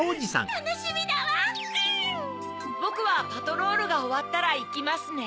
ぼくはパトロールがおわったらいきますね。